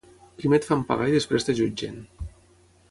Primer et fan pagar i després et jutgen.